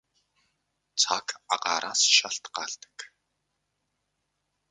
Цаг агаараас шалтгаалдаг.